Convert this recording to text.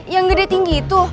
yang gede tinggi itu